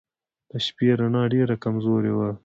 د شپې رڼا ډېره کمزورې وه.